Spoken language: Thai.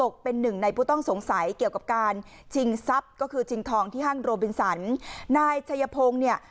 ก็คือจิงทองที่ห้างโรบินสันนายชัยพงศ์เนี่ย